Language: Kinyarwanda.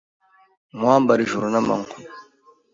Nkwambare ijoro n’amanywa